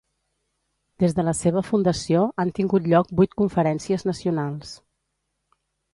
Des de la seva fundació, han tingut lloc vuit conferències nacionals.